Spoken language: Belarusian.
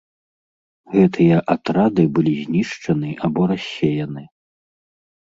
Гэтыя атрады былі знішчаны або рассеяны.